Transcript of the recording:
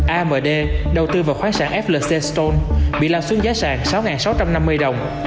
amd đầu tư vào khoá sản flc stone bị làm xuống giá sàng sáu sáu trăm năm mươi đồng